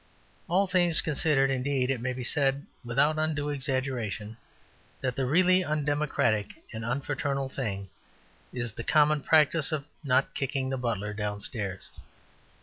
All things considered indeed, it may be said, without undue exaggeration, that the really undemocratic and unfraternal thing is the common practice of not kicking the butler downstairs.